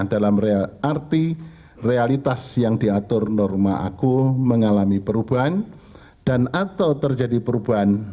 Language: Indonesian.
dalam real arti realitas yang diatur norma aku mengalami perubahan dan atau terjadi perubahan